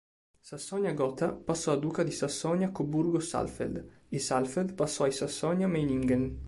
Sassonia-Gotha passò a Duca di Sassonia-Coburgo-Saalfeld e Saalfeld passò ai Sassonia-Meiningen.